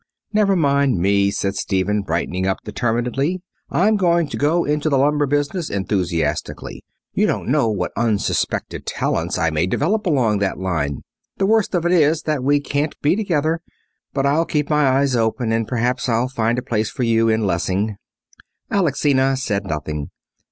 "Never mind me," said Stephen, brightening up determinedly. "I'm going to go into the lumber business enthusiastically. You don't know what unsuspected talents I may develop along that line. The worst of it is that we can't be together. But I'll keep my eyes open, and perhaps I'll find a place for you in Lessing." Alexina said nothing.